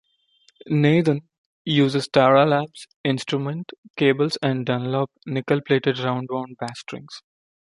Nathan uses Tara Labs instrument cables and Dunlop nickel-plated roundwound bass strings.